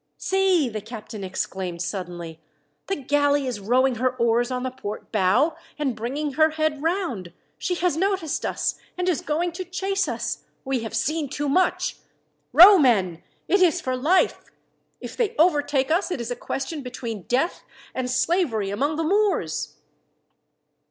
"See!" the captain exclaimed suddenly, "the galley is rowing her oars on the port bow, and bringing her head round. She has noticed us, and is going to chase us! We have seen too much. "Row, men it is for life! If they overtake us it is a question between death, and slavery among the Moors."